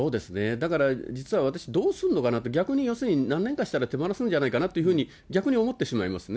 だから実は私、どうするのかなって、逆に要するに何年かしたら手放すんじゃないかなというふうに、逆に思ってしまいますね。